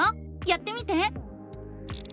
やってみて！